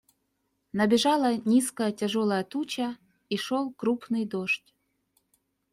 Набежала низкая, тяжелая туча, и шел крупный дождь.